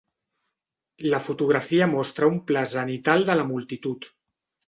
La fotografia mostra un pla zenital de la multitud